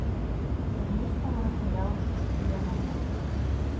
За містом розгорялася стрілянина.